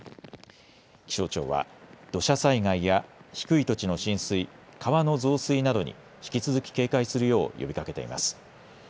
気象庁は土砂災害や低い土地の浸水、川の増水などに引き続き警戒するよう呼びかけています。